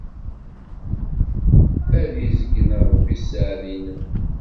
Ad izeyyen Ṛebbi sseɛd-nnem.